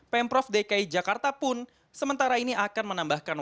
pemprov dki jakarta pun sementara ini akan menambahkan